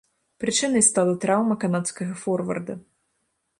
Прычынай стала траўма канадскага форварда.